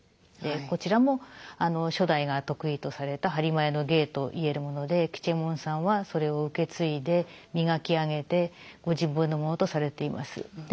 こちらも初代が得意とされた播磨屋の芸といえるもので吉右衛門さんはそれを受け継いで磨き上げてご自分のものとされています。